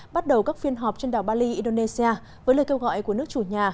bắt đầu các phiên họp trên đảo bali indonesia với lời kêu gọi của nước chủ nhà